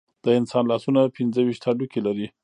د انسان لاسونه پنځه ویشت هډوکي لري.